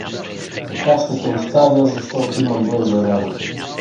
Пък аз ще те оставя, защото имам бърза работа.